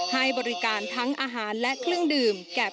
ให้บริการทั้งอาหารและเครื่องดื่มแก่